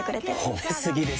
褒め過ぎですよ。